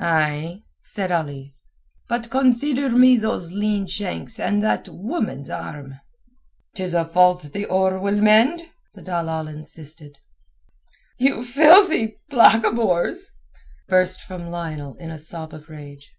"Ay," said Ali, "but consider me those lean shanks and that woman's arm." "'Tis a fault the oar will mend," the dalal insisted. "You filthy blackamoors!" burst from Lionel in a sob of rage.